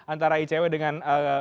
antara icw dengan